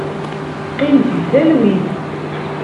Qqimet deg talwit.